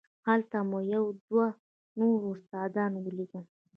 هلته مو یو دوه نور استادان ولیدل.